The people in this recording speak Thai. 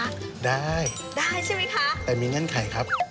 ได้ได้ใช่ไหมคะแต่มีเงื่อนไขครับ